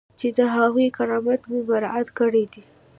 چې د هغوی کرامت مو مراعات کړی دی.